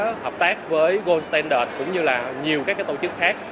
sẽ hợp tác với gold standard cũng như là nhiều các tổ chức khác